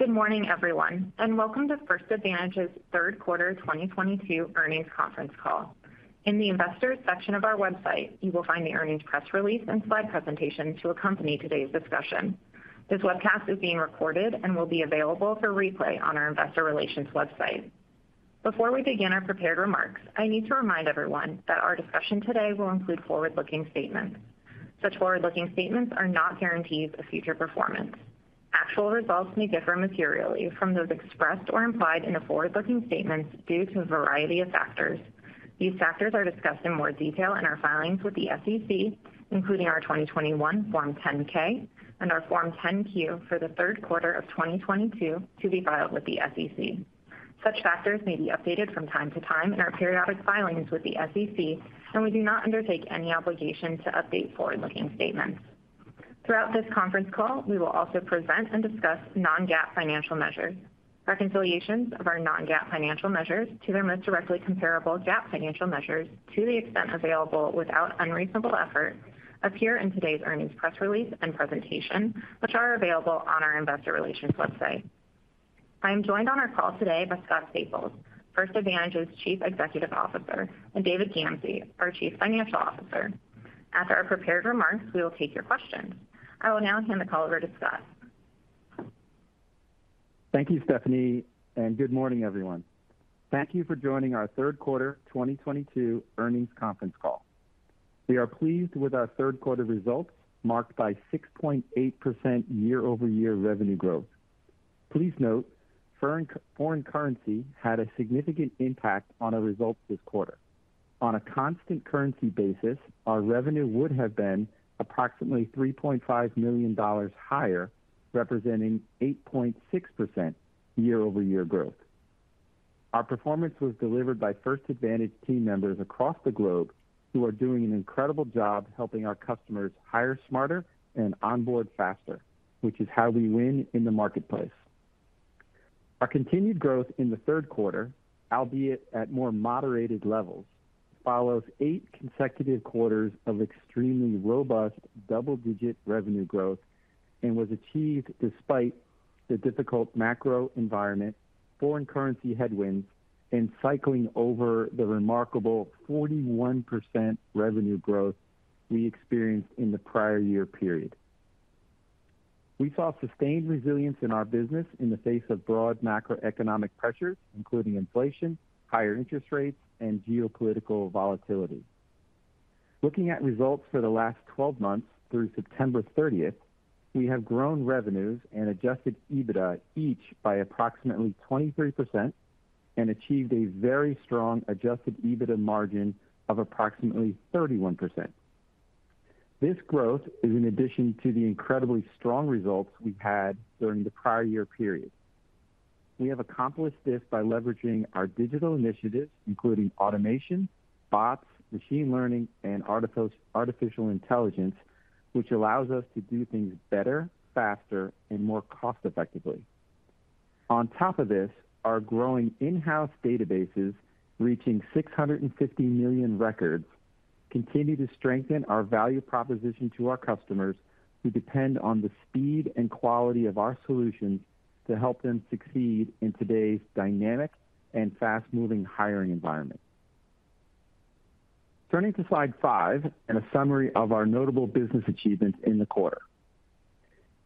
Good morning, everyone, and welcome to First Advantage's third quarter 2022 earnings conference call. In the Investors section of our website, you will find the earnings press release and slide presentation to accompany today's discussion. This webcast is being recorded and will be available for replay on our investor relations website. Before we begin our prepared remarks, I need to remind everyone that our discussion today will include forward-looking statements. Such forward-looking statements are not guarantees of future performance. Actual results may differ materially from those expressed or implied in the forward-looking statements due to a variety of factors. These factors are discussed in more detail in our filings with the SEC, including our 2021 Form 10-K and our Form 10-Q for the third quarter of 2022 to be filed with the SEC. Such factors may be updated from time to time in our periodic filings with the SEC, and we do not undertake any obligation to update forward-looking statements. Throughout this conference call, we will also present and discuss non-GAAP financial measures. Reconciliations of our non-GAAP financial measures to their most directly comparable GAAP financial measures to the extent available without unreasonable effort appear in today's earnings press release and presentation, which are available on our investor relations website. I am joined on our call today by Scott Staples, First Advantage's Chief Executive Officer, and David Gamsey, our Chief Financial Officer. After our prepared remarks, we will take your questions. I will now hand the call over to Scott. Thank you, Stephanie, and good morning, everyone. Thank you for joining our third quarter 2022 earnings conference call. We are pleased with our third quarter results, marked by 6.8% year-over-year revenue growth. Please note, foreign currency had a significant impact on our results this quarter. On a constant currency basis, our revenue would have been approximately $3.5 million higher, representing 8.6% year-over-year growth. Our performance was delivered by First Advantage team members across the globe who are doing an incredible job helping our customers hire smarter and onboard faster, which is how we win in the marketplace. Our continued growth in the third quarter, albeit at more moderated levels, follows eight consecutive quarters of extremely robust double-digit revenue growth and was achieved despite the difficult macro environment, foreign currency headwinds, and cycling over the remarkable 41% revenue growth we experienced in the prior year period. We saw sustained resilience in our business in the face of broad macroeconomic pressures, including inflation, higher interest rates, and geopolitical volatility. Looking at results for the last 12 months through September 30th, we have grown revenues and Adjusted EBITDA each by approximately 23% and achieved a very strong Adjusted EBITDA margin of approximately 31%. This growth is in addition to the incredibly strong results we've had during the prior year period. We have accomplished this by leveraging our digital initiatives, including automation, bots, machine learning, and artificial intelligence, which allows us to do things better, faster, and more cost effectively. On top of this, our growing in-house databases reaching 650 million records continue to strengthen our value proposition to our customers who depend on the speed and quality of our solutions to help them succeed in today's dynamic and fast-moving hiring environment. Turning to slide five and a summary of our notable business achievements in the quarter.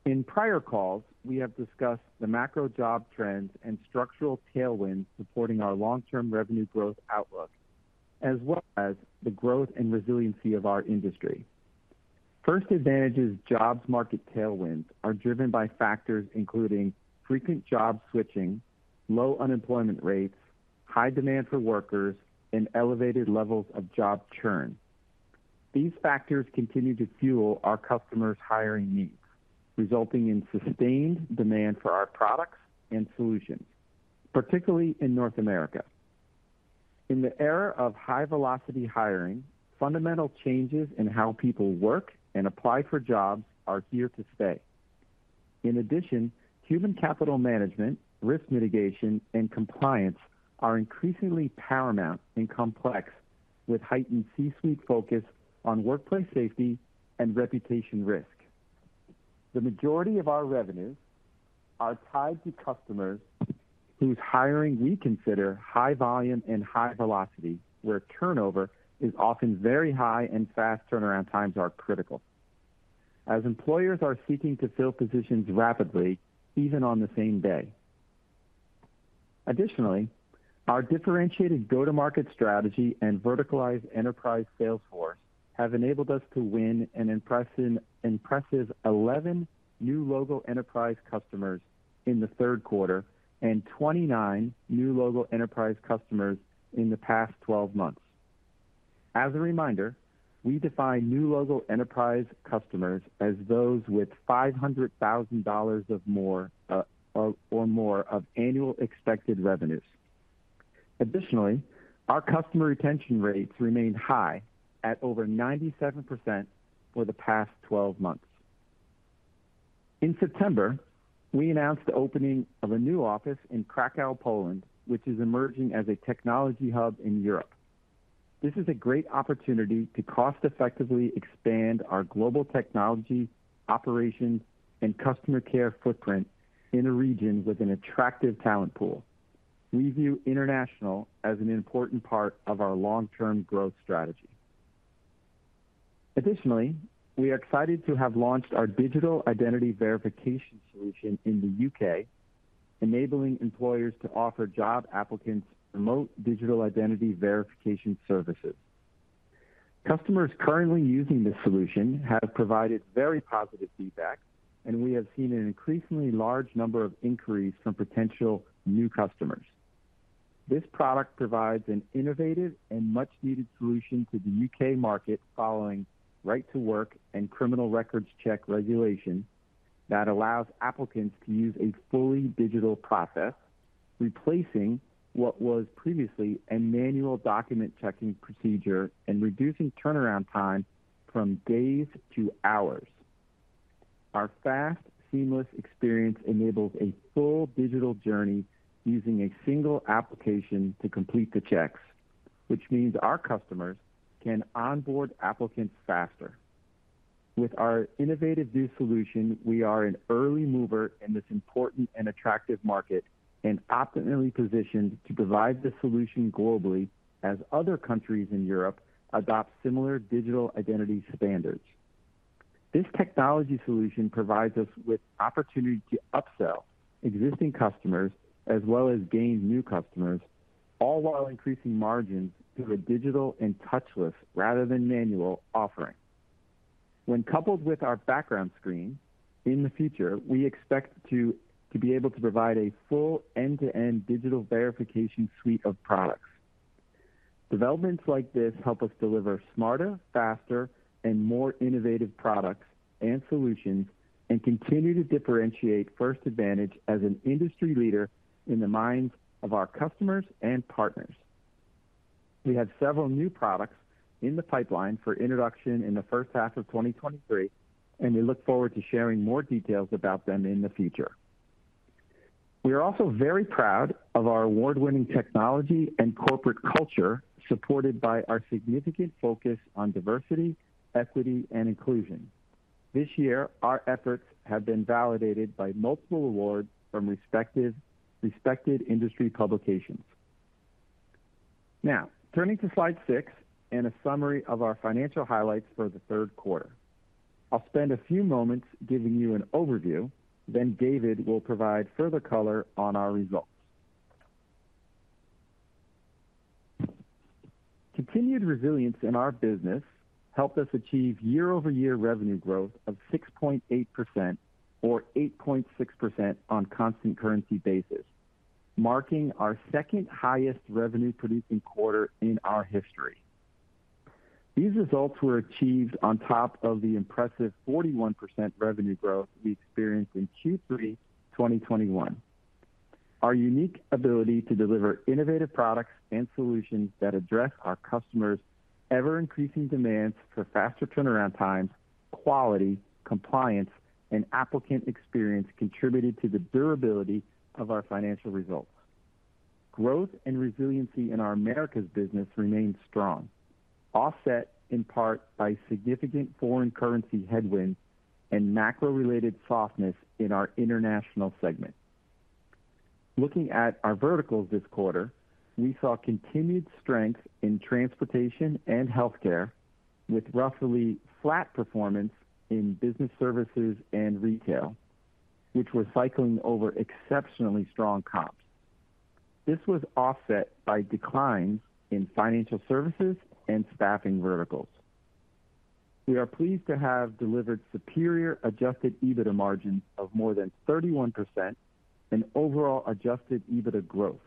In prior calls, we have discussed the macro job trends and structural tailwinds supporting our long-term revenue growth outlook, as well as the growth and resiliency of our industry. First Advantage's jobs market tailwinds are driven by factors including frequent job switching, low unemployment rates, high demand for workers, and elevated levels of job churn. These factors continue to fuel our customers' hiring needs, resulting in sustained demand for our products and solutions, particularly in North America. In the era of high-velocity hiring, fundamental changes in how people work and apply for jobs are here to stay. In addition, human capital management, risk mitigation, and compliance are increasingly paramount and complex, with heightened C-suite focus on workplace safety and reputation risk. The majority of our revenues are tied to customers whose hiring we consider high volume and high velocity, where turnover is often very high and fast turnaround times are critical, as employers are seeking to fill positions rapidly, even on the same day. Additionally, our differentiated go-to-market strategy and verticalized enterprise sales force have enabled us to win an impressive 11 new logo enterprise customers in the third quarter and 29 new logo enterprise customers in the past 12 months. As a reminder, we define new logo enterprise customers as those with $500,000 or more of annual expected revenues. Additionally, our customer retention rates remained high at over 97% for the past 12 months. In September, we announced the opening of a new office in Kraków, Poland, which is emerging as a technology hub in Europe. This is a great opportunity to cost effectively expand our global technology operations and customer care footprint in a region with an attractive talent pool. We view international as an important part of our long-term growth strategy. Additionally, we are excited to have launched our digital identity verification solution in the U.K., enabling employers to offer job applicants remote digital identity verification services. Customers currently using this solution have provided very positive feedback, and we have seen an increasingly large number of inquiries from potential new customers. This product provides an innovative and much needed solution to the U.K. market following Right to Work and criminal records check regulation that allows applicants to use a fully digital process, replacing what was previously a manual document checking procedure and reducing turnaround time from days to hours. Our fast, seamless experience enables a full digital journey using a single application to complete the checks, which means our customers can onboard applicants faster. With our innovative new solution, we are an early mover in this important and attractive market and optimally positioned to provide the solution globally as other countries in Europe adopt similar digital identity standards. This technology solution provides us with opportunity to upsell existing customers as well as gain new customers, all while increasing margins through a digital and touchless rather than manual offering. When coupled with our background screen in the future, we expect to be able to provide a full end-to-end digital verification suite of products. Developments like this help us deliver smarter, faster, and more innovative products and solutions and continue to differentiate First Advantage as an industry leader in the minds of our customers and partners. We have several new products in the pipeline for introduction in the first half of 2023, and we look forward to sharing more details about them in the future. We are also very proud of our award-winning technology and corporate culture, supported by our significant focus on diversity, equity and inclusion. This year, our efforts have been validated by multiple awards from respected industry publications. Now, turning to slide six and a summary of our financial highlights for the third quarter. I'll spend a few moments giving you an overview, then David will provide further color on our results. Continued resilience in our business helped us achieve year-over-year revenue growth of 6.8% or 8.6% on constant currency basis, marking our second highest revenue producing quarter in our history. These results were achieved on top of the impressive 41% revenue growth we experienced in Q3 2021. Our unique ability to deliver innovative products and solutions that address our customers' ever-increasing demands for faster turnaround times, quality, compliance, and applicant experience contributed to the durability of our financial results. Growth and resiliency in our Americas business remained strong, offset in part by significant foreign currency headwinds and macro-related softness in our international segment. Looking at our verticals this quarter, we saw continued strength in transportation and healthcare, with roughly flat performance in business services and retail, which were cycling over exceptionally strong comps. This was offset by declines in financial services and staffing verticals. We are pleased to have delivered superior Adjusted EBITDA margins of more than 31% and overall Adjusted EBITDA growth.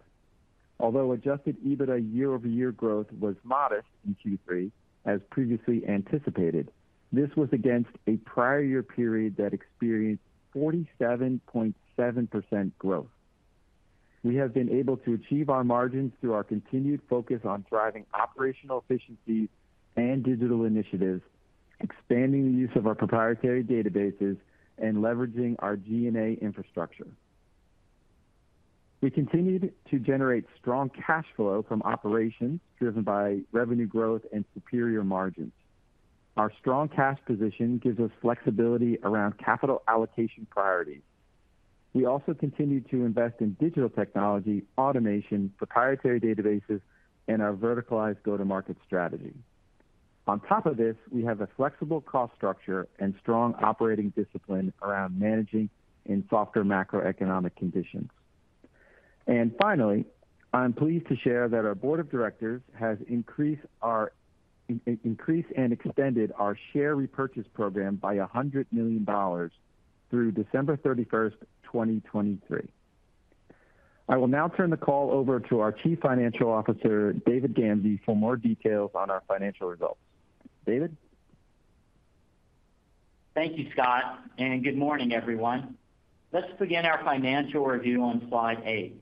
Although Adjusted EBITDA year-over-year growth was modest in Q3 as previously anticipated, this was against a prior year period that experienced 47.7% growth. We have been able to achieve our margins through our continued focus on driving operational efficiencies and digital initiatives, expanding the use of our proprietary databases, and leveraging our G&A infrastructure. We continued to generate strong cash flow from operations driven by revenue growth and superior margins. Our strong cash position gives us flexibility around capital allocation priorities. We also continue to invest in digital technology, automation, proprietary databases, and our verticalized go-to-market strategy. On top of this, we have a flexible cost structure and strong operating discipline around managing in softer macroeconomic conditions. Finally, I'm pleased to share that our board of directors has increased and extended our share repurchase program by $100 million through December 31st, 2023. I will now turn the call over to our Chief Financial Officer, David Gamsey, for more details on our financial results. David? Thank you, Scott, and good morning, everyone. Let's begin our financial review on slide eight.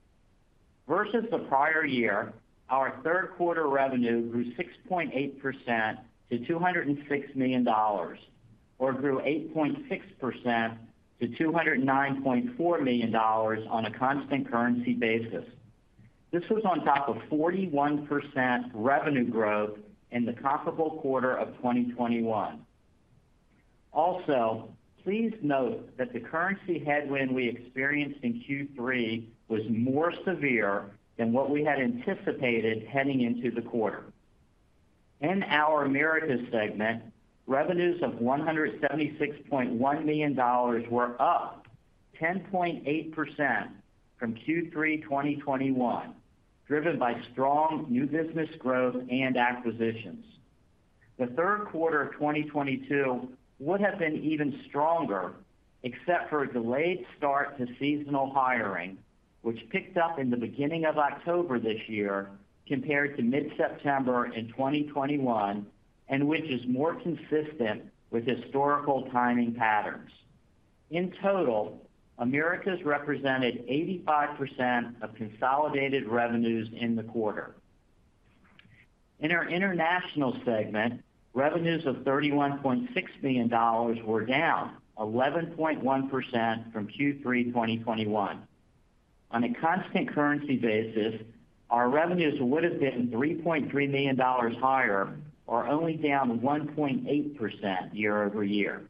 Versus the prior year, our third quarter revenue grew 6.8% to $206 million, or grew 8.6% to $209.4 million on a constant currency basis. This was on top of 41% revenue growth in the comparable quarter of 2021. Also, please note that the currency headwind we experienced in Q3 was more severe than what we had anticipated heading into the quarter. In our Americas segment, revenues of $176.1 million were up 10.8% from Q3 2021, driven by strong new business growth and acquisitions. The third quarter of 2022 would have been even stronger except for a delayed start to seasonal hiring, which picked up in the beginning of October this year compared to mid-September in 2021, and which is more consistent with historical timing patterns. In total, Americas represented 85% of consolidated revenues in the quarter. In our international segment, revenues of $31.6 million were down 11.1% from Q3 2021. On a constant currency basis, our revenues would have been $3.3 million higher or only down 1.8% year-over-year.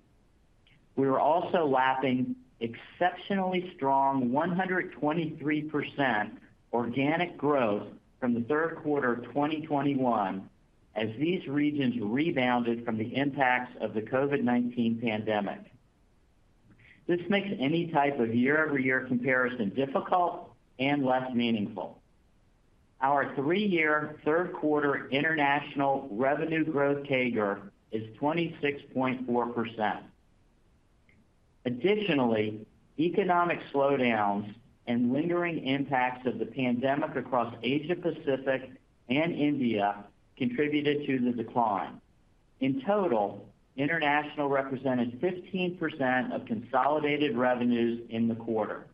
We were also lapping exceptionally strong 123% organic growth from the third quarter of 2021 as these regions rebounded from the impacts of the COVID-19 pandemic. This makes any type of year-over-year comparison difficult and less meaningful. Our three-year third quarter international revenue growth CAGR is 26.4%. Additionally, economic slowdowns and lingering impacts of the pandemic across Asia Pacific and India contributed to the decline. In total, international represented 15% of consolidated revenues in the quarter.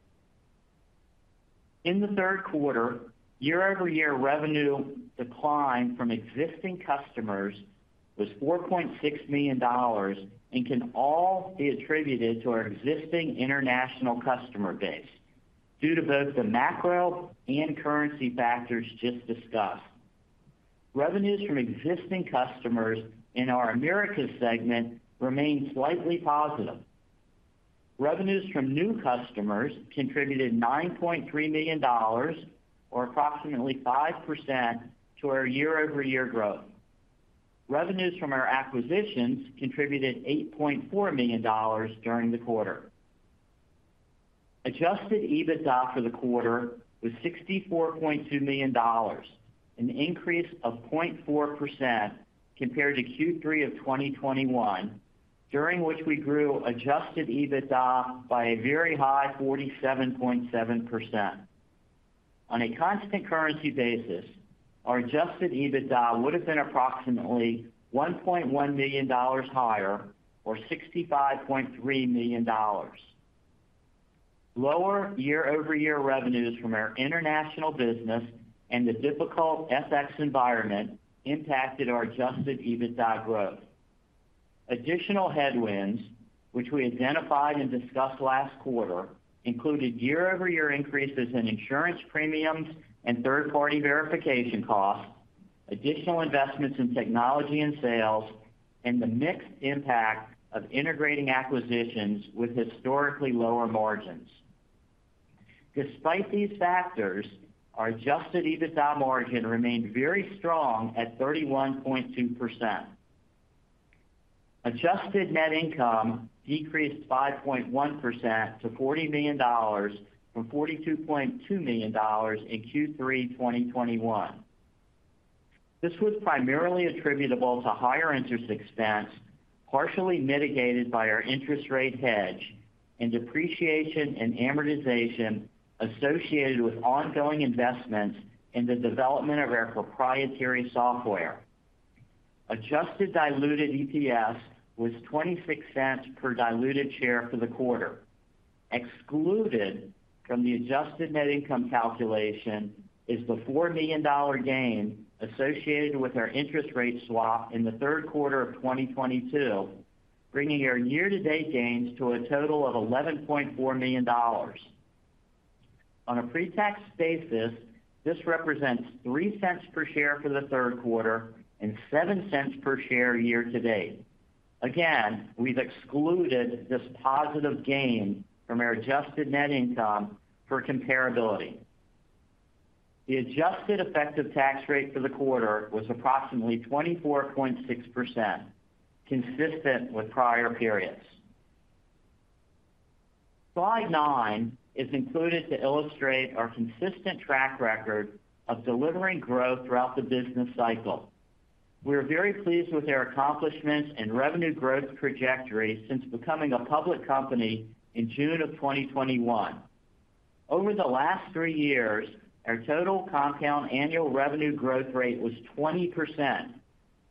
In the third quarter, year-over-year revenue decline from existing customers was $4.6 million and can all be attributed to our existing international customer base due to both the macro and currency factors just discussed. Revenues from existing customers in our Americas segment remained slightly positive. Revenues from new customers contributed $9.3 million or approximately 5% to our year-over-year growth. Revenues from our acquisitions contributed $8.4 million during the quarter. Adjusted EBITDA for the quarter was $64.2 million, an increase of 0.4% compared to Q3 of 2021, during which we grew Adjusted EBITDA by a very high 47.7%. On a constant currency basis, our Adjusted EBITDA would have been approximately $1.1 million higher or $65.3 million. Lower year-over-year revenues from our international business and the difficult FX environment impacted our Adjusted EBITDA growth. Additional headwinds, which we identified and discussed last quarter, included year-over-year increases in insurance premiums and third-party verification costs, additional investments in technology and sales, and the mixed impact of integrating acquisitions with historically lower margins. Despite these factors, our Adjusted EBITDA margin remained very strong at 31.2%. Adjusted net income decreased 5.1% to $40 million from $42.2 million in Q3 2021. This was primarily attributable to higher interest expense, partially mitigated by our interest rate hedge and depreciation and amortization associated with ongoing investments in the development of our proprietary software. Adjusted diluted EPS was $0.26 per diluted share for the quarter. Excluded from the adjusted net income calculation is the $4 million gain associated with our interest rate swap in the third quarter of 2022, bringing our year-to-date gains to a total of $11.4 million. On a pre-tax basis, this represents $0.03 per share for the third quarter and $0.07 per share year-to-date. Again, we've excluded this positive gain from our adjusted net income for comparability. The adjusted effective tax rate for the quarter was approximately 24.6%, consistent with prior periods. Slide nine is included to illustrate our consistent track record of delivering growth throughout the business cycle. We are very pleased with our accomplishments and revenue growth trajectory since becoming a public company in June of 2021. Over the last three years, our total compound annual revenue growth rate was 20%,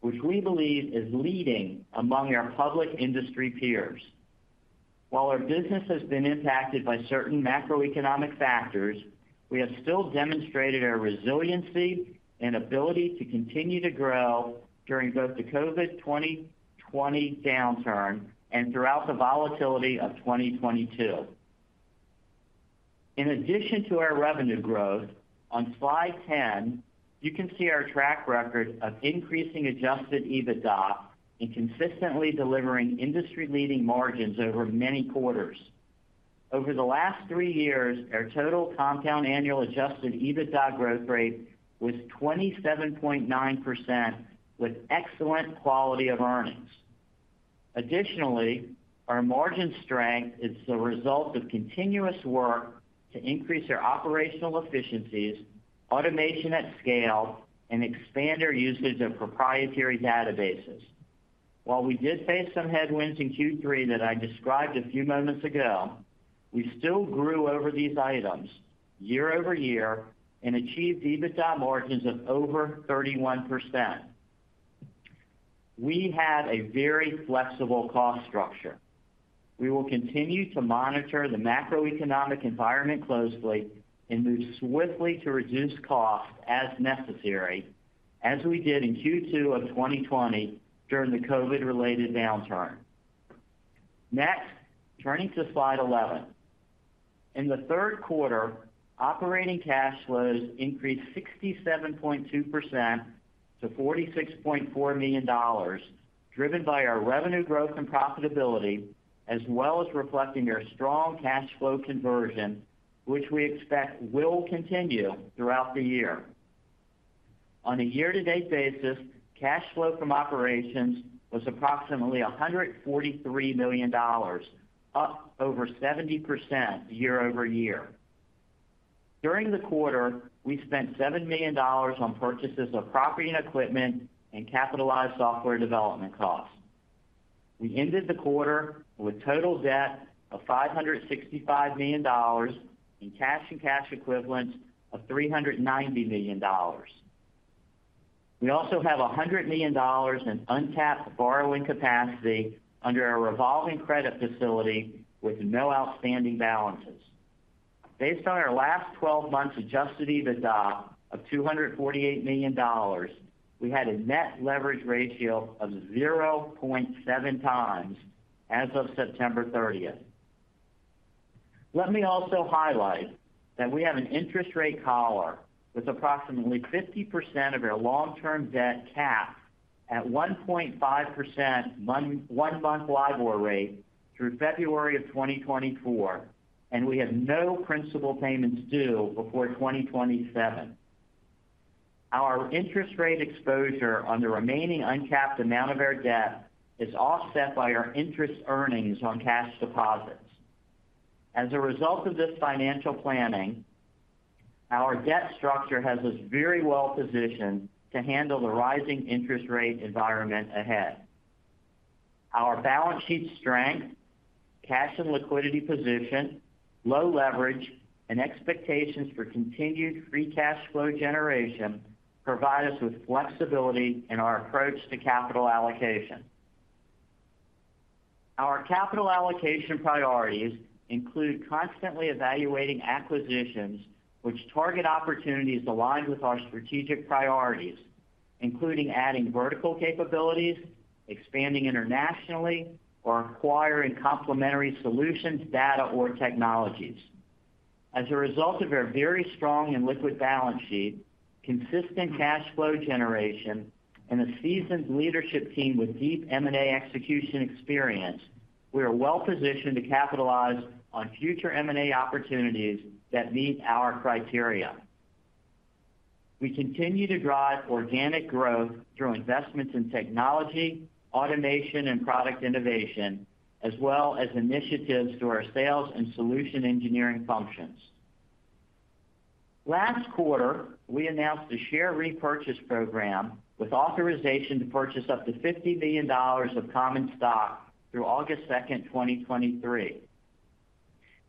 which we believe is leading among our public industry peers. While our business has been impacted by certain macroeconomic factors, we have still demonstrated our resiliency and ability to continue to grow during both the COVID-19 2020 downturn and throughout the volatility of 2022. In addition to our revenue growth, on slide 10, you can see our track record of increasing Adjusted EBITDA and consistently delivering industry-leading margins over many quarters. Over the last three years, our total compound annual Adjusted EBITDA growth rate was 27.9% with excellent quality of earnings. Additionally, our margin strength is the result of continuous work to increase our operational efficiencies, automation at scale, and expand our usage of proprietary databases. While we did face some headwinds in Q3 that I described a few moments ago, we still grew over these items year-over-year and achieved EBITDA margins of over 31%. We have a very flexible cost structure. We will continue to monitor the macroeconomic environment closely and move swiftly to reduce costs as necessary, as we did in Q2 of 2020 during the COVID-related downturn. Next, turning to slide 11. In the third quarter, operating cash flows increased 67.2% to $46.4 million, driven by our revenue growth and profitability, as well as reflecting our strong cash flow conversion, which we expect will continue throughout the year. On a year-to-date basis, cash flow from operations was approximately $143 million, up over 70% year-over-year. During the quarter, we spent $7 million on purchases of property and equipment and capitalized software development costs. We ended the quarter with total debt of $565 million in cash and cash equivalents of $390 million. We also have $100 million in untapped borrowing capacity under our revolving credit facility with no outstanding balances. Based on our last 12 months Adjusted EBITDA of $248 million, we had a net leverage ratio of 0.7x as of September 30th. Let me also highlight that we have an interest rate collar with approximately 50% of our long-term debt capped at 1.5% one-month LIBOR rate through February 2024, and we have no principal payments due before 2027. Our interest rate exposure on the remaining uncapped amount of our debt is offset by our interest earnings on cash deposits. As a result of this financial planning, our debt structure has us very well-positioned to handle the rising interest rate environment ahead. Our balance sheet strength, cash and liquidity position, low leverage, and expectations for continued free cash flow generation provide us with flexibility in our approach to capital allocation. Our capital allocation priorities include constantly evaluating acquisitions which target opportunities aligned with our strategic priorities, including adding vertical capabilities, expanding internationally, or acquiring complementary solutions, data, or technologies. As a result of our very strong and liquid balance sheet, consistent cash flow generation, and a seasoned leadership team with deep M&A execution experience, we are well-positioned to capitalize on future M&A opportunities that meet our criteria. We continue to drive organic growth through investments in technology, automation, and product innovation, as well as initiatives through our sales and solution engineering functions. Last quarter, we announced a share repurchase program with authorization to purchase up to $50 million of common stock through August 2nd, 2023.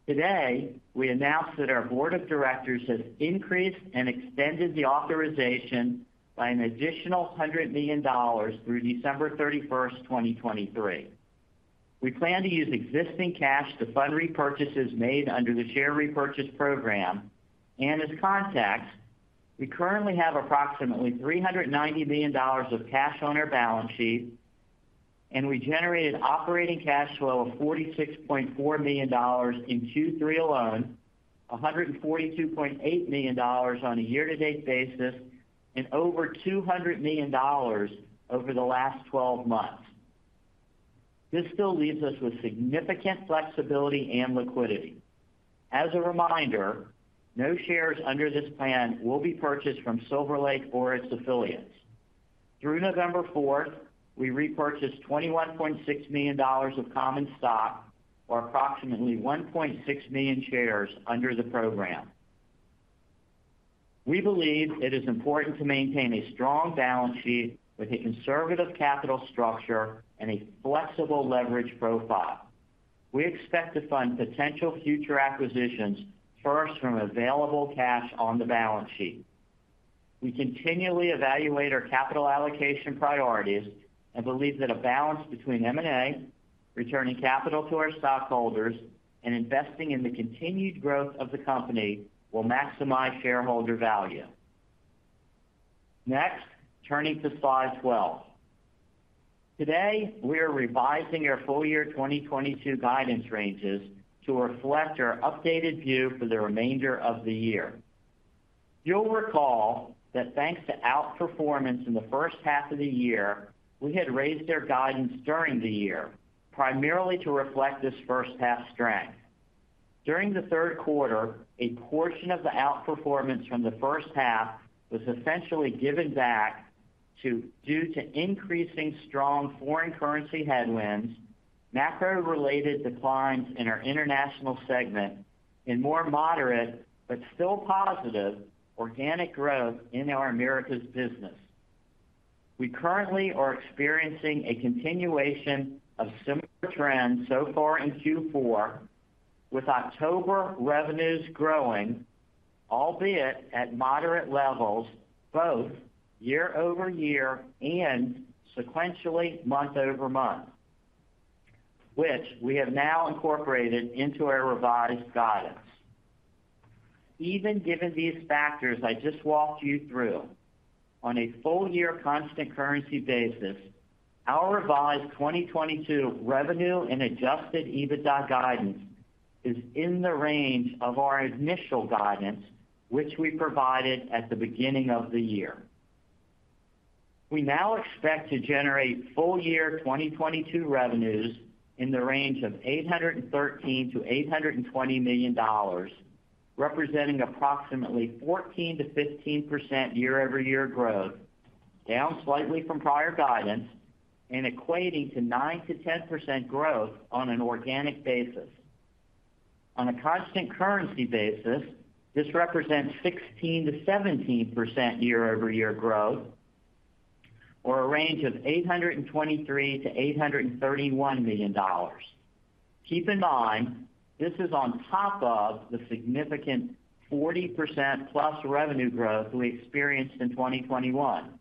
Today, we announced that our board of directors has increased and extended the authorization by an additional $100 million through December 31st, 2023. We plan to use existing cash to fund repurchases made under the share repurchase program. As context, we currently have approximately $390 million of cash on our balance sheet, and we generated operating cash flow of $46.4 million in Q3 alone, $142.8 million on a year-to-date basis, and over $200 million over the last 12 months. This still leaves us with significant flexibility and liquidity. As a reminder, no shares under this plan will be purchased from Silver Lake or its affiliates. Through November 4th, we repurchased $21.6 million of common stock, or approximately 1.6 million shares under the program. We believe it is important to maintain a strong balance sheet with a conservative capital structure and a flexible leverage profile. We expect to fund potential future acquisitions first from available cash on the balance sheet. We continually evaluate our capital allocation priorities and believe that a balance between M&A, returning capital to our stockholders, and investing in the continued growth of the company will maximize shareholder value. Next, turning to slide 12. Today, we are revising our full year 2022 guidance ranges to reflect our updated view for the remainder of the year. You'll recall that thanks to outperformance in the first half of the year, we had raised our guidance during the year, primarily to reflect this first half strength. During the third quarter, a portion of the outperformance from the first half was essentially given back due to increasing strong foreign currency headwinds, macro-related declines in our international segment, and more moderate but still positive organic growth in our Americas business. We currently are experiencing a continuation of similar trends so far in Q4, with October revenues growing, albeit at moderate levels, both year-over-year and sequentially month-over-month, which we have now incorporated into our revised guidance. Even given these factors I just walked you through, on a full year constant currency basis, our revised 2022 revenue and Adjusted EBITDA guidance is in the range of our initial guidance, which we provided at the beginning of the year. We now expect to generate full year 2022 revenues in the range of $813 million-$820 million, representing approximately 14%-15% year-over-year growth, down slightly from prior guidance and equating to 9%-10% growth on an organic basis. On a constant currency basis, this represents 16%-17% year-over-year growth, or a range of $823 million-$831 million. Keep in mind, this is on top of the significant 40%+ revenue growth we experienced in 2021.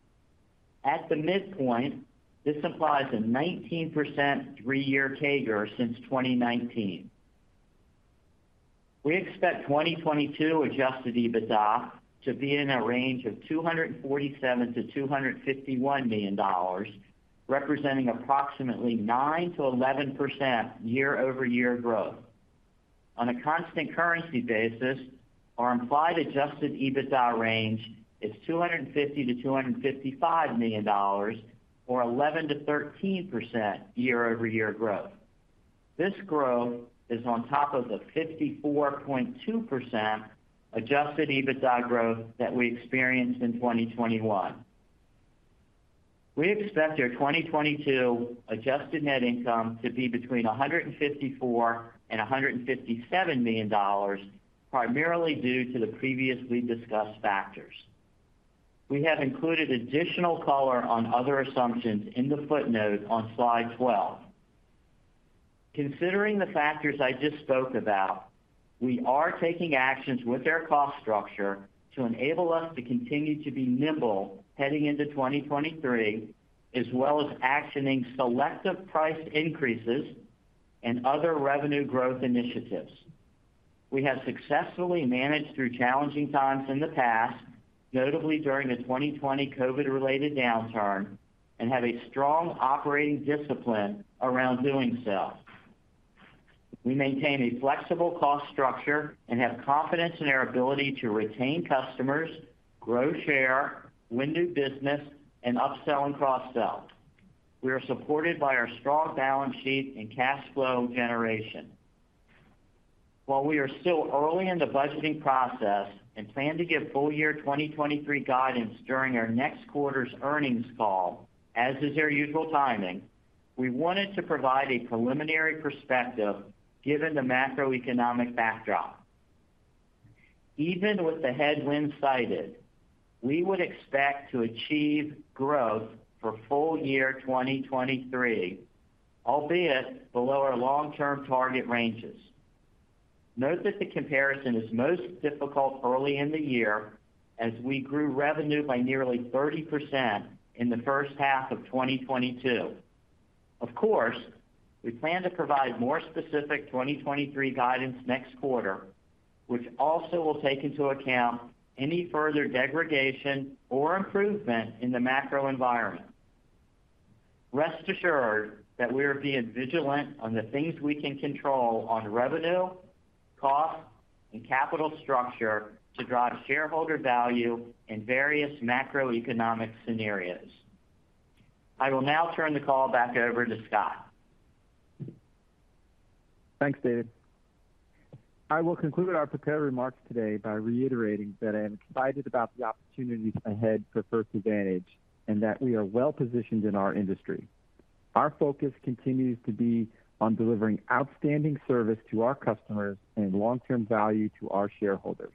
At the midpoint, this implies a 19% three-year CAGR since 2019. We expect 2022 Adjusted EBITDA to be in a range of $247 million-$251 million, representing approximately 9%-11% year-over-year growth. On a constant currency basis, our implied Adjusted EBITDA range is $250 million-$255 million or 11%-13% year-over-year growth. This growth is on top of the 54.2% Adjusted EBITDA growth that we experienced in 2021. We expect our 2022 adjusted net income to be between $154 million-$157 million, primarily due to the previously discussed factors. We have included additional color on other assumptions in the footnote on slide 12. Considering the factors I just spoke about, we are taking actions with our cost structure to enable us to continue to be nimble heading into 2023, as well as actioning selective price increases and other revenue growth initiatives. We have successfully managed through challenging times in the past, notably during the 2020 COVID-related downturn, and have a strong operating discipline around doing so. We maintain a flexible cost structure and have confidence in our ability to retain customers, grow share, win new business, and upsell and cross-sell. We are supported by our strong balance sheet and cash flow generation. While we are still early in the budgeting process and plan to give full year 2023 guidance during our next quarter's earnings call, as is our usual timing, we wanted to provide a preliminary perspective given the macroeconomic backdrop. Even with the headwinds cited, we would expect to achieve growth for full year 2023, albeit below our long-term target ranges. Note that the comparison is most difficult early in the year as we grew revenue by nearly 30% in the first half of 2022. Of course, we plan to provide more specific 2023 guidance next quarter, which also will take into account any further degradation or improvement in the macro environment. Rest assured that we are being vigilant on the things we can control on revenue, cost, and capital structure to drive shareholder value in various macroeconomic scenarios. I will now turn the call back over to Scott. Thanks, David. I will conclude our prepared remarks today by reiterating that I am excited about the opportunities ahead for First Advantage and that we are well-positioned in our industry. Our focus continues to be on delivering outstanding service to our customers and long-term value to our shareholders.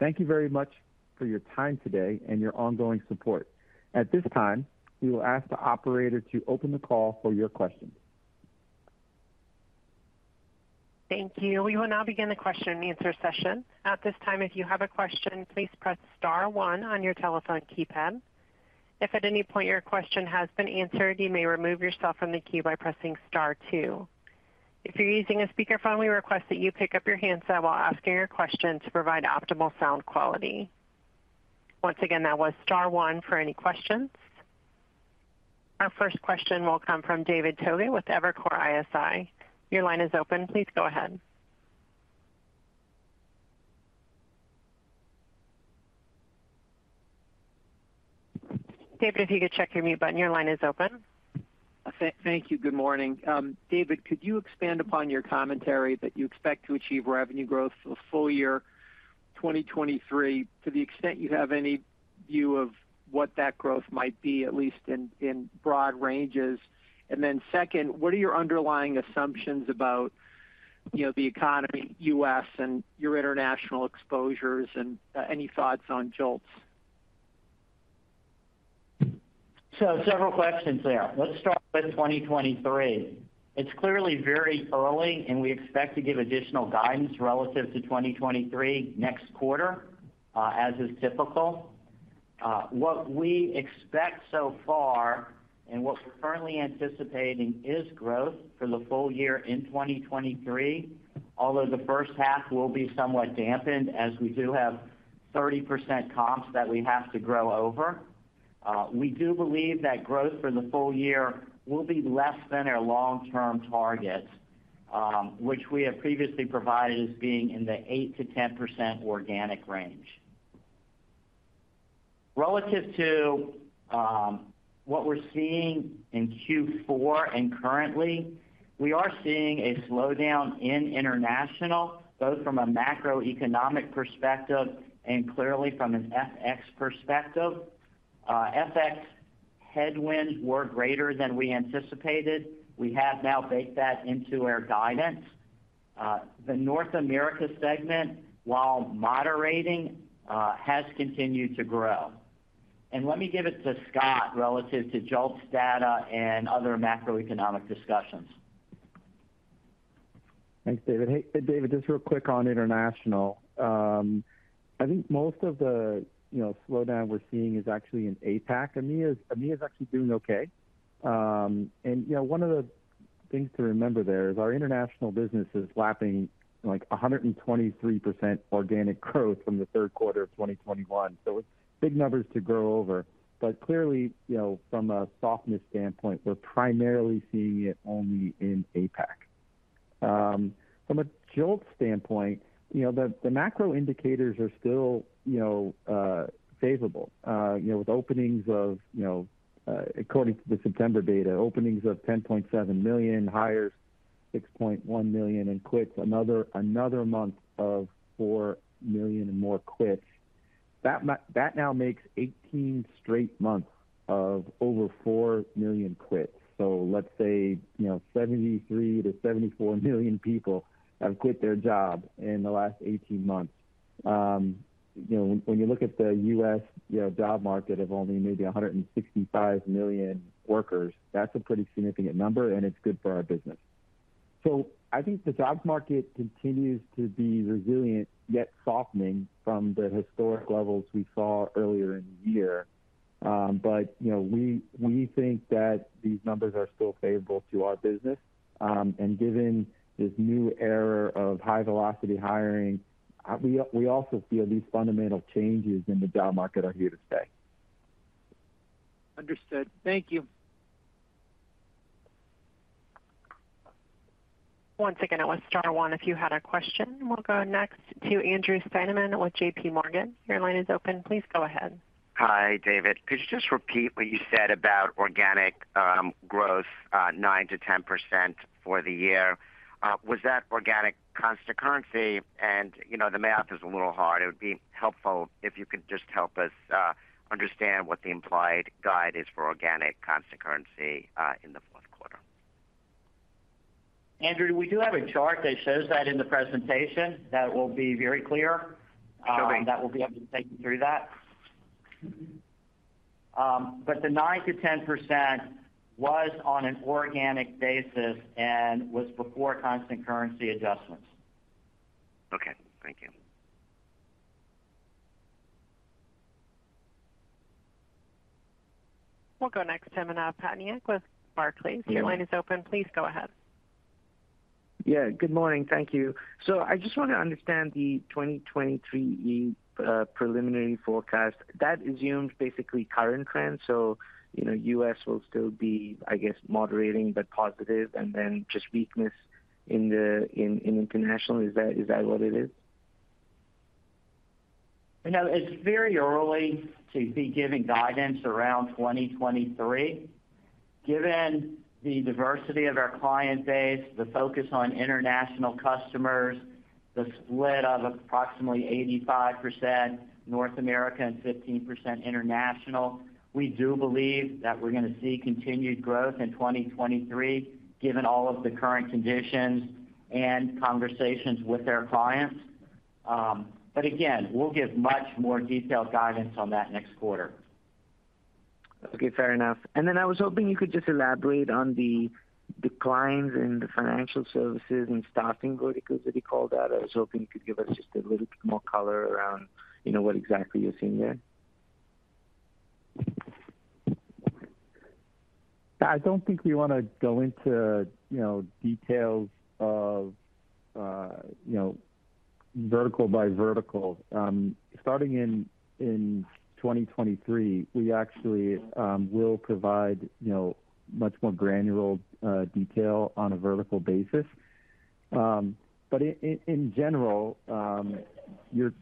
Thank you very much for your time today and your ongoing support. At this time, we will ask the operator to open the call for your questions. Thank you. We will now begin the question-and-answer session. At this time, if you have a question, please press star one on your telephone keypad. If at any point your question has been answered, you may remove yourself from the queue by pressing star two. If you're using a speakerphone, we request that you pick up your handset while asking your question to provide optimal sound quality. Once again, that was star one for any questions. Our first question will come from David Togut with Evercore ISI. Your line is open. Please go ahead. David, if you could check your mute button, your line is open. Thank you. Good morning. David, could you expand upon your commentary that you expect to achieve revenue growth for full year 2023, to the extent you have any view of what that growth might be, at least in broad ranges? Then second, what are your underlying assumptions about, you know, the economy, U.S. and your international exposures, and any thoughts on JOLTS? Several questions there. Let's start with 2023. It's clearly very early, and we expect to give additional guidance relative to 2023 next quarter, as is typical. What we expect so far and what we're currently anticipating is growth for the full year in 2023. Although the first half will be somewhat dampened as we do have 30% comps that we have to grow over. We do believe that growth for the full year will be less than our long-term targets, which we have previously provided as being in the 8%-10% organic range. Relative to what we're seeing in Q4 and currently, we are seeing a slowdown in international, both from a macroeconomic perspective and clearly from an FX perspective. FX headwinds were greater than we anticipated. We have now baked that into our guidance. The North America segment, while moderating, has continued to grow. Let me give it to Scott relative to JOLTS data and other macroeconomic discussions. Thanks, David. Hey, David, just real quick on international. I think most of the, you know, slowdown we're seeing is actually in APAC. EMEA is actually doing okay, and you know, one of the things to remember there is our international business is lapping, like, 123% organic growth from the third quarter of 2021. So it's big numbers to grow over. But clearly, you know, from a softness standpoint, we're primarily seeing it only in APAC. From a JOLTS standpoint, you know, the macro indicators are still, you know, favorable, you know, with openings of, you know, according to the September data, openings of 10.7 million, hires 6.1 million, and quits another month of 4 million more quits. That now makes 18 straight months of over 4 million quits. Let's say, you know, 73-74 million people have quit their job in the last 18 months. You know, when you look at the U.S., you know, job market of only maybe 165 million workers, that's a pretty significant number, and it's good for our business. I think the job market continues to be resilient, yet softening from the historic levels we saw earlier in the year. You know, we think that these numbers are still favorable to our business. Given this new era of high-velocity hiring, we also feel these fundamental changes in the job market are here to stay. Understood. Thank you. Once again, it was star one if you had a question. We'll go next to Andrew Steinerman with JP Morgan. Your line is open. Please go ahead. Hi, David. Could you just repeat what you said about organic growth 9%-10% for the year? Was that organic constant currency? You know, the math is a little hard. It would be helpful if you could just help us understand what the implied guide is for organic constant currency in the fourth quarter. Andrew, we do have a chart that shows that in the presentation that will be very clear that we'll be able to take you through that. The 9%-10% was on an organic basis and was before constant currency adjustments. Okay. Thank you. We'll go next to Manav Patnaik with Barclays. Your line is open. Please go ahead. Yeah, good morning. Thank you. I just want to understand the 2023 preliminary forecast. That assumes basically current trends. You know, U.S. will still be, I guess, moderating but positive and then just weakness in the international. Is that what it is? You know, it's very early to be giving guidance around 2023. Given the diversity of our client base, the focus on international customers, the split of approximately 85% North America and 15% international, we do believe that we're gonna see continued growth in 2023, given all of the current conditions and conversations with their clients. Again, we'll give much more detailed guidance on that next quarter. Okay, fair enough. I was hoping you could just elaborate on the declines in the financial services and staffing verticals that you called out. I was hoping you could give us just a little bit more color around, you know, what exactly you're seeing there. I don't think we want to go into, you know, details of, you know, vertical by vertical. Starting in 2023, we actually will provide, you know, much more granular detail on a vertical basis. In general, you're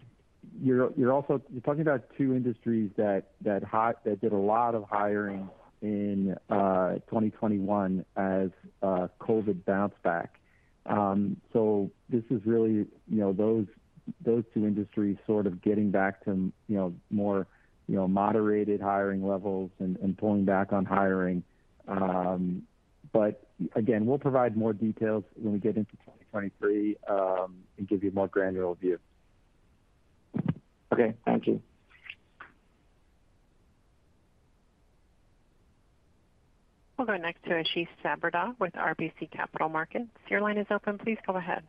talking about two industries that did a lot of hiring in 2021 as COVID bounced back. This is really, you know, those two industries sort of getting back to, you know, more, you know, moderated hiring levels and pulling back on hiring. Again, we'll provide more details when we get into 2023, and give you a more granular view. Okay, thank you. We'll go next to Ashish Sabadra with RBC Capital Markets. Your line is open. Please go ahead.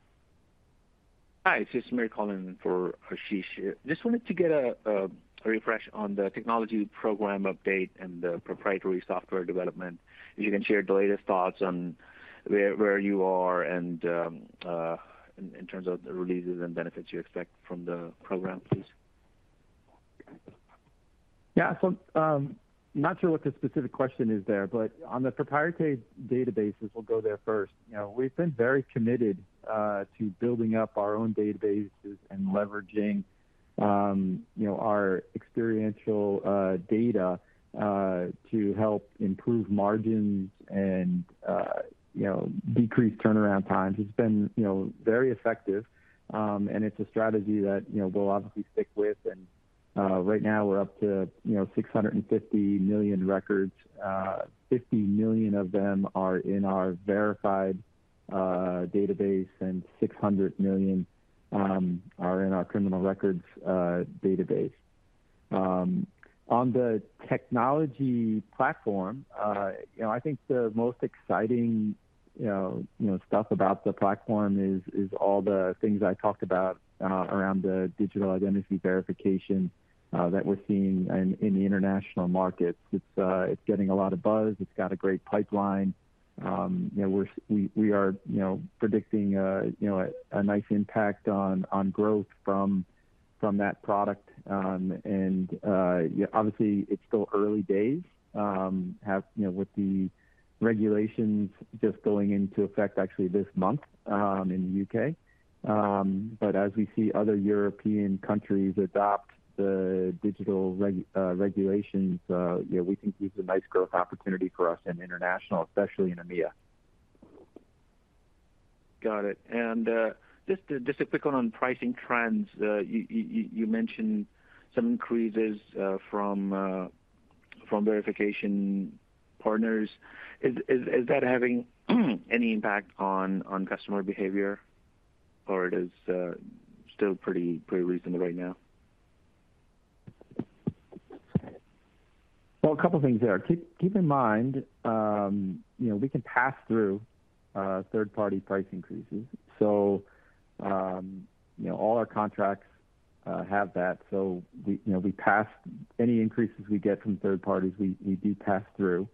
Hi, it's Samir calling for Ashish. Just wanted to get a refresh on the technology program update and the proprietary software development. If you can share the latest thoughts on where you are and in terms of the releases and benefits you expect from the program, please. Yeah. Not sure what the specific question is there, but on the proprietary databases, we'll go there first. You know, we've been very committed to building up our own databases and leveraging you know, our experiential data to help improve margins and you know, decrease turnaround times. It's been you know, very effective, and it's a strategy that you know, we'll obviously stick with. Right now we're up to you know, 650 million records. 50 million of them are in our Verified! database, and 600 million are in our criminal records database. On the technology platform, you know, I think the most exciting stuff about the platform is all the things I talked about around the digital identity verification that we're seeing in the international markets. It's getting a lot of buzz. It's got a great pipeline. You know, we are predicting, you know, a nice impact on growth from that product. Obviously it's still early days, you know, with the regulations just going into effect actually this month in the U.K. As we see other European countries adopt the digital regulations, yeah, we think this is a nice growth opportunity for us in international, especially in EMEA. Got it. Just to touch on pricing trends, you mentioned some increases from verification partners. Is that having any impact on customer behavior, or is it still pretty reasonable right now? Well, a couple of things there. Keep in mind, you know, we can pass through third-party price increases. You know, all our contracts have that. You know, we pass any increases we get from third parties, we do pass through.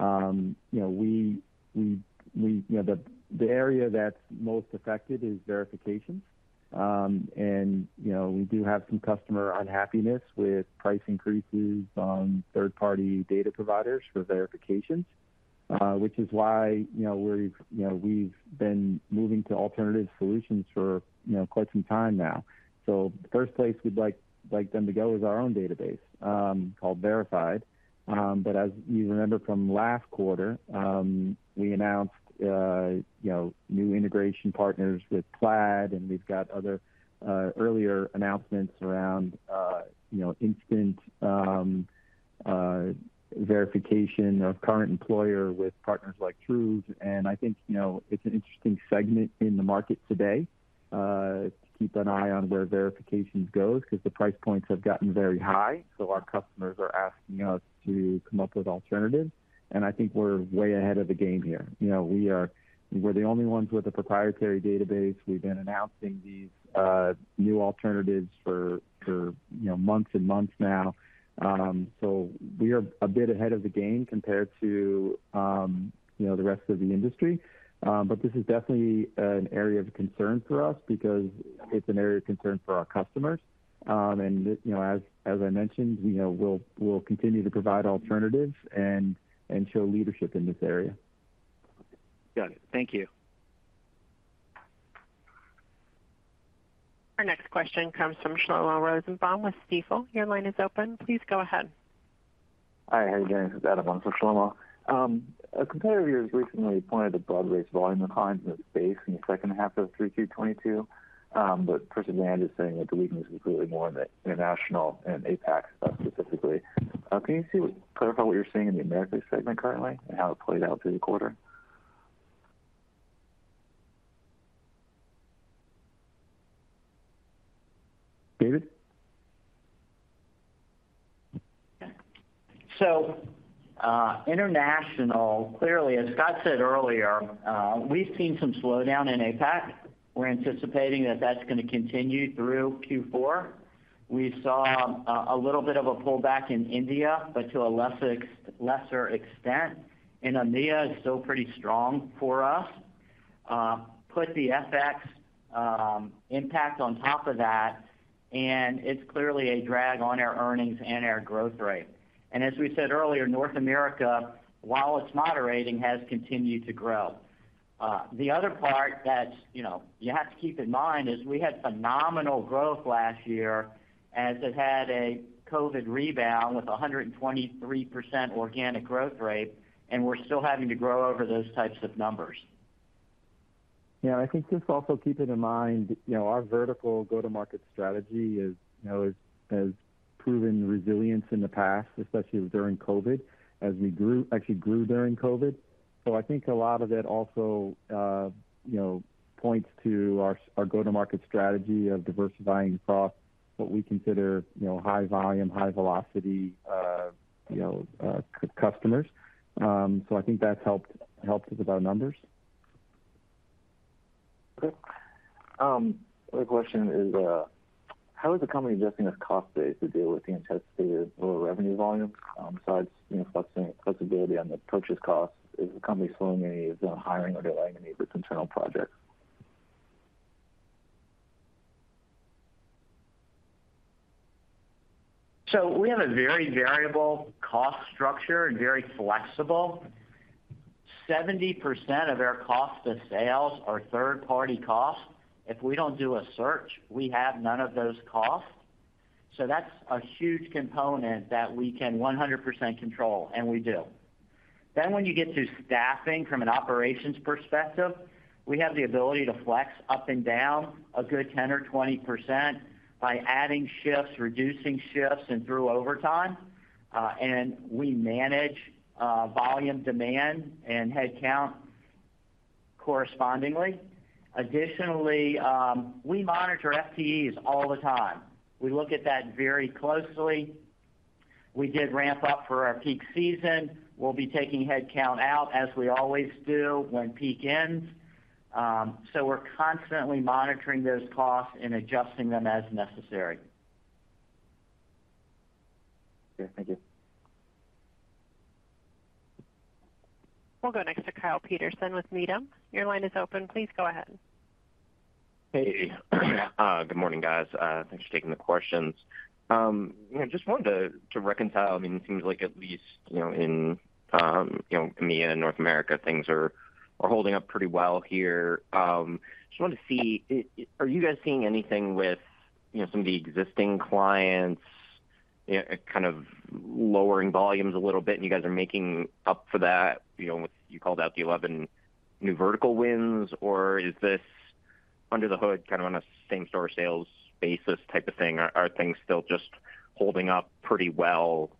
You know, the area that's most affected is verification. You know, we do have some customer unhappiness with price increases on third-party data providers for verifications, which is why, you know, we've been moving to alternative solutions for, you know, quite some time now. The first place we'd like them to go is our own database, called Verified!. As you remember from last quarter, we announced you know, new integration partners with Plaid, and we've got other earlier announcements around you know, instant verification of current employer with partners like Truework. I think you know, it's an interesting segment in the market today to keep an eye on where verifications go because the price points have gotten very high. Our customers are asking us to come up with alternatives. I think we're way ahead of the game here. You know, we're the only ones with a proprietary database. We've been announcing these new alternatives for you know, months and months now. We are a bit ahead of the game compared to you know, the rest of the industry. This is definitely an area of concern for us because it's an area of concern for our customers. You know, as I mentioned, you know, we'll continue to provide alternatives and show leadership in this area. Got it. Thank you. Our next question comes from Shlomo Rosenbaum with Stifel. Your line is open. Please go ahead. Hi, how are you doing? This is Adam on for Shlomo. A competitor of yours recently pointed to broad-based volume declines in the space in the second half of 2022. Christian Land is saying that the weakness was really more in the international and APAC stuff specifically. Can you clarify what you're seeing in the Americas segment currently and how it played out through the quarter? David? International, clearly, as Scott said earlier, we've seen some slowdown in APAC. We're anticipating that that's gonna continue through Q4. We saw a little bit of a pullback in India, but to a lesser extent. EMEA is still pretty strong for us. Put the FX impact on top of that, and it's clearly a drag on our earnings and our growth rate. As we said earlier, North America, while it's moderating, has continued to grow. The other part that, you know, you have to keep in mind is we had phenomenal growth last year as it had a COVID rebound with a 123% organic growth rate, and we're still having to grow over those types of numbers. Yeah. I think just also keeping in mind, you know, our vertical go-to-market strategy is, you know, has proven resilience in the past, especially during COVID, as we actually grew during COVID. I think a lot of that also, you know, points to our go-to-market strategy of diversifying across what we consider, you know, high volume, high velocity, customers. I think that's helped us with our numbers. Okay. My question is, how is the company adjusting its cost base to deal with the anticipated lower revenue volume, besides, you know, flexibility on the purchase costs? Is the company slowing any of the hiring or delaying any of its internal projects? We have a very variable cost structure and very flexible. 70% of our cost of sales are third-party costs. If we don't do a search, we have none of those costs. That's a huge component that we can 100% control, and we do. When you get to staffing from an operations perspective, we have the ability to flex up and down a good 10% or 20% by adding shifts, reducing shifts, and through overtime, and we manage volume demand and headcount correspondingly. Additionally, we monitor FTEs all the time. We look at that very closely. We did ramp up for our peak season. We'll be taking headcount out as we always do when peak ends. We're constantly monitoring those costs and adjusting them as necessary. Okay. Thank you. We'll go next to Kyle Peterson with Needham. Your line is open. Please go ahead. Hey. Good morning, guys. Thanks for taking the questions. You know, just wanted to reconcile. I mean, it seems like at least, you know, in EMEA and North America, things are holding up pretty well here. Just wanted to see, are you guys seeing anything with, you know, some of the existing clients, you know, kind of lowering volumes a little bit, and you guys are making up for that, you know, with. You called out the 11 new vertical wins, or is this under the hood, kind of on a same-store sales basis type of thing? Are things still just holding up pretty well,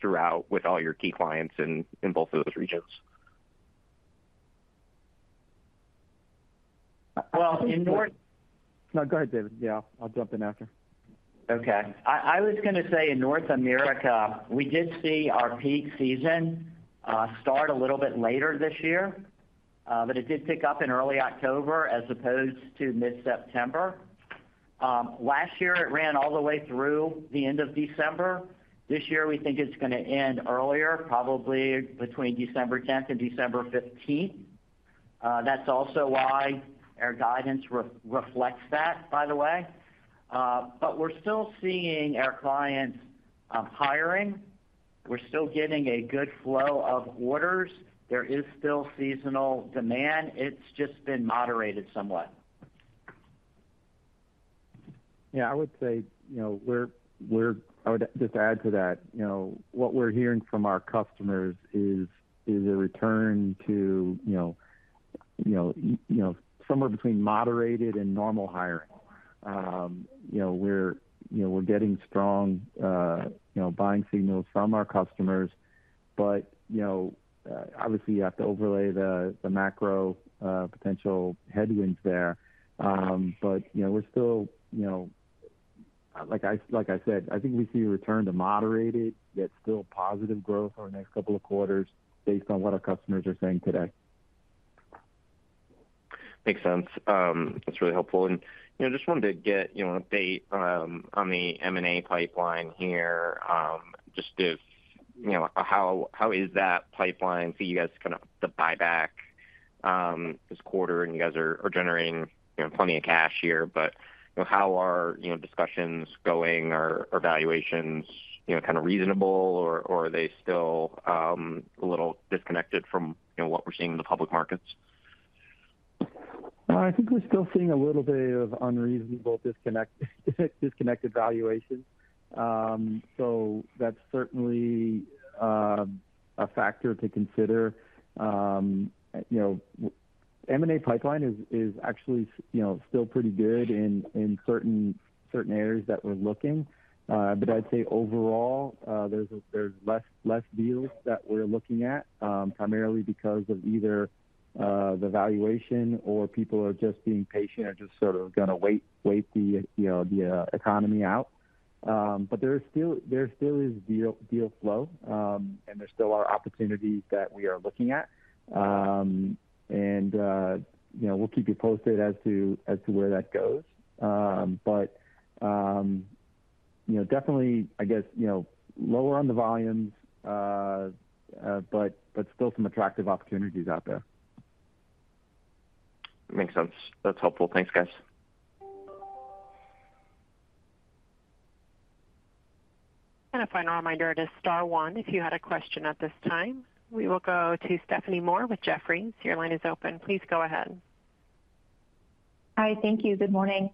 throughout with all your key clients in both of those regions? Well, in North- No, go ahead, David. Yeah, I'll jump in after. Okay. I was gonna say in North America, we did see our peak season start a little bit later this year, but it did pick up in early October as opposed to mid-September. Last year, it ran all the way through the end of December. This year, we think it's gonna end earlier, probably between December 10th and December 15th. That's also why our guidance reflects that, by the way. We're still seeing our clients hiring. We're still getting a good flow of orders. There is still seasonal demand. It's just been moderated somewhat. Yeah. I would just add to that. You know, what we're hearing from our customers is a return to, you know, somewhere between moderated and normal hiring. You know, we're getting strong, you know, buying signals from our customers, but, you know, obviously you have to overlay the macro potential headwinds there. You know, we're still, you know. Like I said, I think we see a return to moderated, yet still positive growth over the next couple of quarters based on what our customers are saying today. Makes sense. That's really helpful. You know, just wanted to get, you know, an update on the M&A pipeline here. Just, you know, how is that pipeline? I see you guys the buyback this quarter, and you guys are generating, you know, plenty of cash here. You know, how are, you know, discussions going? Are valuations, you know, kind of reasonable, or are they still a little disconnected from, you know, what we're seeing in the public markets? I think we're still seeing a little bit of unreasonable disconnect, disconnected valuations. So that's certainly a factor to consider. You know, M&A pipeline is actually still pretty good in certain areas that we're looking. I'd say overall, there's less deals that we're looking at, primarily because of either the valuation or people are just being patient or just sort of gonna wait the economy out. But there is still deal flow, and there still are opportunities that we are looking at. You know, we'll keep you posted as to where that goes. You know, definitely, I guess, you know, lower on the volumes, but still some attractive opportunities out there. Makes sense. That's helpful. Thanks, guys. A final reminder, it is star one if you had a question at this time. We will go to Stephanie Moore with Jefferies. Your line is open. Please go ahead. Hi. Thank you. Good morning.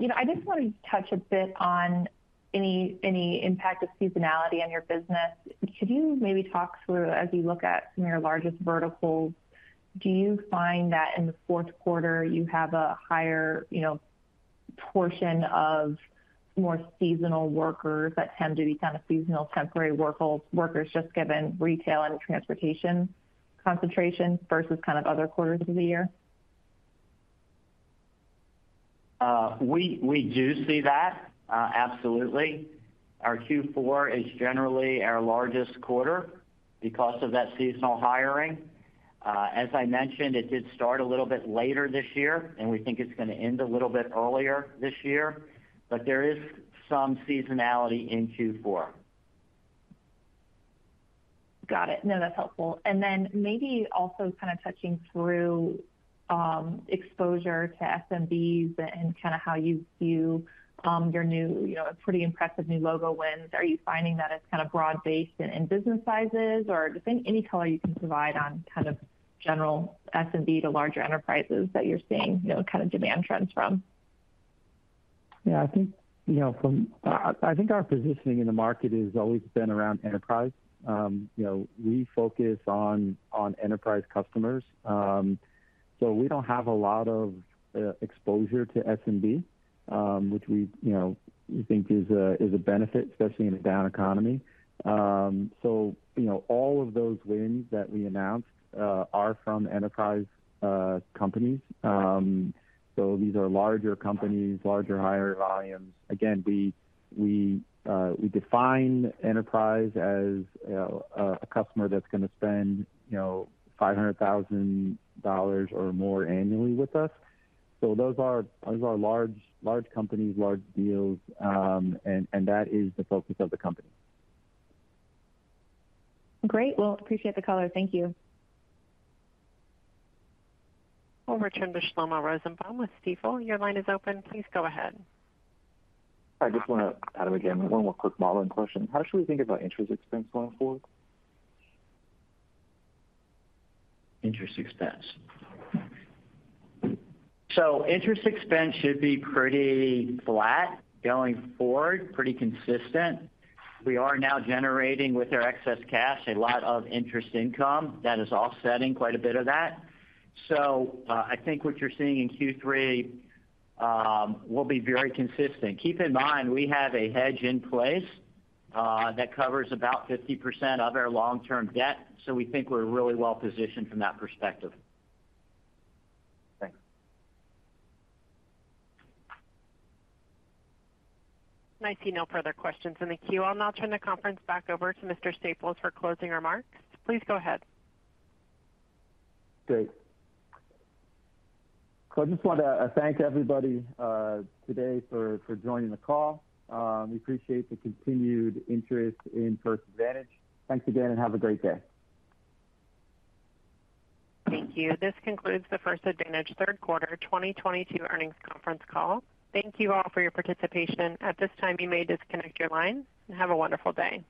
You know, I just wanted to touch a bit on any impact of seasonality on your business. Could you maybe talk through as you look at some of your largest verticals, do you find that in the fourth quarter you have a higher, you know, portion of more seasonal workers that tend to be kind of seasonal temporary workers, just given retail and transportation concentration versus kind of other quarters of the year? We do see that, absolutely. Our Q4 is generally our largest quarter because of that seasonal hiring. As I mentioned, it did start a little bit later this year, and we think it's gonna end a little bit earlier this year. There is some seasonality in Q4. Got it. No, that's helpful. Then maybe also kind of touching through exposure to SMBs and kinda how you view your new, you know, pretty impressive new logo wins. Are you finding that it's kind of broad-based in business sizes or just any color you can provide on kind of general SMB to larger enterprises that you're seeing, you know, kind of demand trends from? Yeah, I think, you know, our positioning in the market has always been around enterprise. You know, we focus on enterprise customers. We don't have a lot of exposure to SMB, which we, you know, think is a benefit, especially in a down economy. You know, all of those wins that we announced are from enterprise companies. These are larger companies, higher volumes. Again, we define enterprise as a customer that's gonna spend, you know, $500,000 or more annually with us. Those are large companies, large deals, and that is the focus of the company. Great. Well, appreciate the color. Thank you. We'll return to Shlomo Rosenbaum with Stifel. Your line is open. Please go ahead. I just wanna add again one more quick modeling question. How should we think about interest expense going forward? Interest expense. Interest expense should be pretty flat going forward, pretty consistent. We are now generating with our excess cash a lot of interest income that is offsetting quite a bit of that. I think what you're seeing in Q3 will be very consistent. Keep in mind, we have a hedge in place that covers about 50% of our long-term debt, so we think we're really well-positioned from that perspective. Thanks. I see no further questions in the queue. I'll now turn the conference back over to Mr. Staples for closing remarks. Please go ahead. Great. I just wanna thank everybody today for joining the call. We appreciate the continued interest in First Advantage. Thanks again, and have a great day. Thank you. This concludes the First Advantage third quarter 2022 earnings conference call. Thank you all for your participation. At this time, you may disconnect your lines, and have a wonderful day.